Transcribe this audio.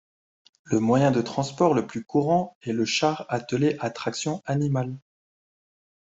Le moyen de transport le plus courant est le char attelé à traction animale.